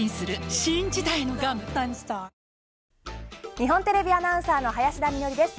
日本テレビアナウンサーの林田美学です。